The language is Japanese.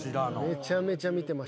めちゃめちゃ見てました。